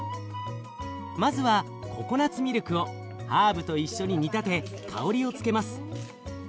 まずはココナツミルクをハーブと一緒に煮立て香りをつけます。